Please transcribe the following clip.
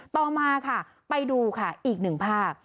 ต่อมาค่ะไปดูค่ะอีกหนึ่งภาพ